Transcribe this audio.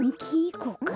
こうか？